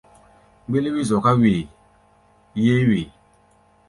Mgbéléwi zɔká wee, yeé wee.